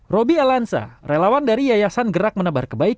roby alansa relawan dari yayasan gerak menebar kebaikan